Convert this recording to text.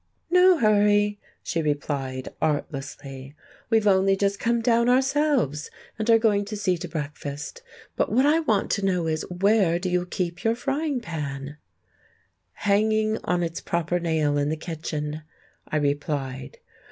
"No hurry," she replied artlessly, "we've only just come down ourselves, and are going to see to breakfast. But what I want to know is: Where do you keep your frying pan?" "Hanging on its proper nail in the kitchen," I replied.